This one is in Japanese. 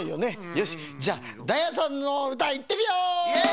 よしじゃあダイヤさんのうたいってみよう！